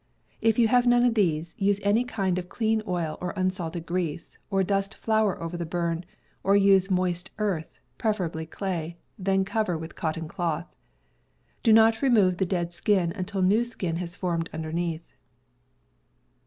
If you have none of these, use any kind of clean oil or unsalted grease, or dust flour over the burn, or use moist earth, preferably clay: then cover with cotton cloth. Do not remove the dead skin until new skin has formed underneath.